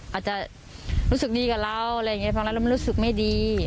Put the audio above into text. อาจจะรู้สึกดีกับเราอะไรอย่างนี้ฟังแล้วมันรู้สึกไม่ดี